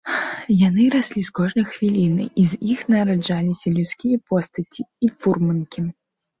Яны раслі з кожнай хвілінай, і з іх нараджаліся людскія постаці і фурманкі.